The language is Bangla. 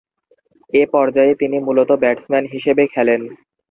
এ পর্যায়ে তিনি মূলতঃ ব্যাটসম্যান হিসেবে খেলেন।